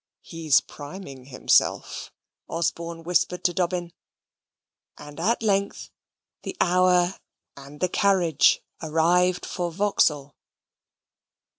"He's priming himself," Osborne whispered to Dobbin, and at length the hour and the carriage arrived for Vauxhall.